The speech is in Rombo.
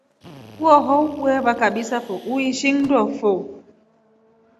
Huu howu we waa kabisa huishi ngʼndo fo.